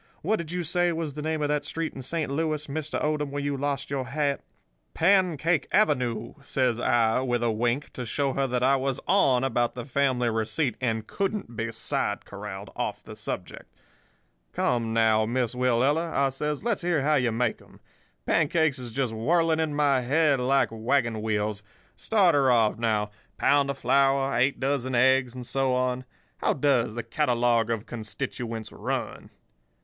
What did you say was the name of that street in Saint Louis, Mr. Odom, where you lost your hat?' "'Pancake Avenue,' says I, with a wink, to show her that I was on about the family receipt, and couldn't be side corralled off of the subject. 'Come, now, Miss Willella,' I says; 'let's hear how you make 'em. Pancakes is just whirling in my head like wagon wheels. Start her off, now—pound of flour, eight dozen eggs, and so on. How does the catalogue of constituents run?